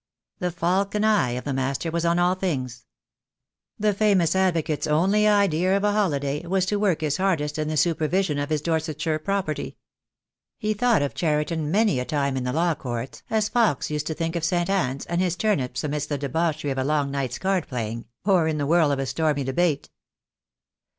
The falcon eye of the master was on all things. The famous advocate's only idea of a holiday was to work his hardest in the supervision of his Dorsetshire property. He thought of Cheriton many a time in the law courts, as Fox used to think of St. Anne's and his turnips amidst the debauchery of a long night's card playing, or in the whirl of a stormy debate.